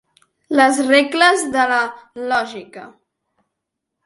Les regles de la lògica.